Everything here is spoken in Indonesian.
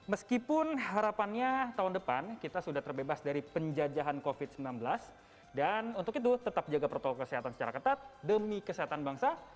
meskipun harapannya tahun depan kita sudah terbebas dari penjajahan covid sembilan belas dan untuk itu tetap jaga protokol kesehatan secara ketat demi kesehatan bangsa